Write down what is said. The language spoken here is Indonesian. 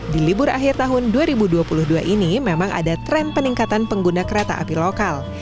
di libur akhir tahun dua ribu dua puluh dua ini memang ada tren peningkatan pengguna kereta api lokal